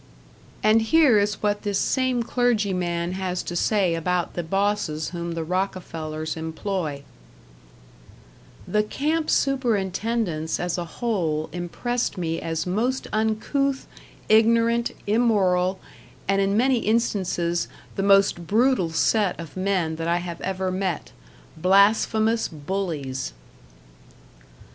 And here is what this same clergyman has to say about the bosses whom the Rockefellers employ: The camp superintendents as a whole impressed me as most uncouth, ignorant, immoral, and in many instances, the most brutal set of men that I have ever met. Blasphemous bullies.